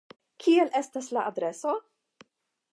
Kiel estas la adreso?